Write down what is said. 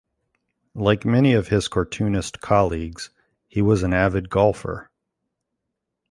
Like many of his cartoonist colleagues, he was an avid golfer.